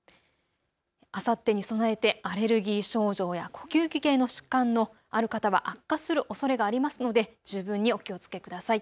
あさってに備えてアレルギー症状や呼吸器系の疾患のある方は悪化するおそれがありますので十分にお気をつけください。